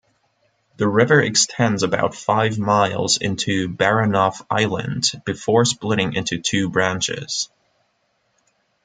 The river extends about five miles into Baranof Island before splitting into two branches.